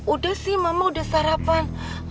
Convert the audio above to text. udah sih ma ma udah sarapan